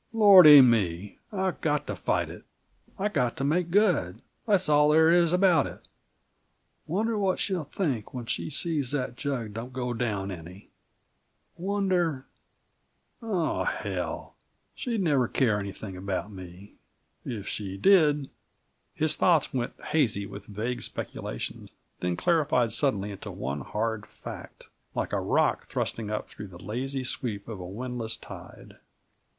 Lordy me, I've got to fight it! I've got to make good; that's all there is about it. Wonder what she'll think when she sees that jug don't go down any? Wonder oh, hell! She'd never care anything about me. If she did " His thoughts went hazy with vague speculation, then clarified suddenly into one hard fact, like a rock thrusting up through the lazy sweep of a windless tide.